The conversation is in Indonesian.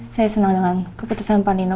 saya senang dengan keputusan pak nino